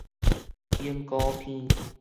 鸚哥鼻